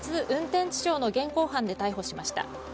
運転致傷の現行犯で逮捕しました。